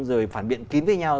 rồi phản biện kín với nhau